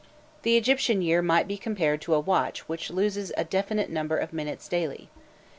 The Egyptian year might be compared to a watch which loses a definite number of minutes daily.